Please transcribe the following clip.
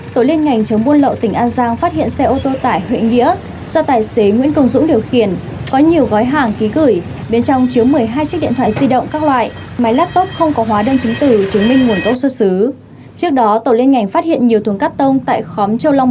trước đó tổ liên ngành phát hiện nhiều thùng cắt tông tại khóm châu long bốn